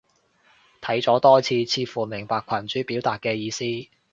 睇咗多次，似乎明白群主表達嘅意思